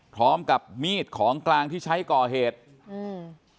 พร้อมกับมีดของกลางที่ใช้ก่อเหตุอืม